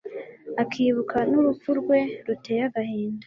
akibuka n'urupfu rwe ruteye agahinda.